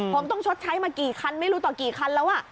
ผมต้องชดใช้มากี่คันไม่รู้ต่อกี่คันแล้ว